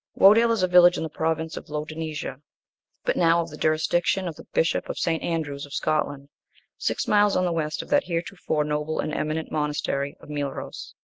Wodale is a village in the province of Lodonesia, but now of the jurisdiction of the bishop of St. Andrew's, of Scotland, six miles on the west of that heretofore noble and eminent monastery of Meilros.